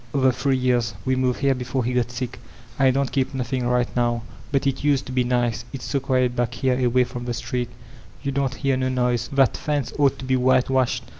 *' "Over three years. We moved here before he got skrk. 440 VoLTAUtlNE DB ClEYSE I don't keep nothing right now, but it tiaed to be nice. It's so quiet back here away from the street; yon doo't hear no noise. That fence ought to be whitewashed.